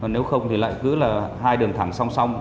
nếu không thì lại cứ là hai đường thẳng song song